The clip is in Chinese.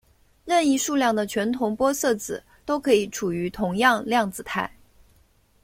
任意数量的全同玻色子都可以处于同样量子态。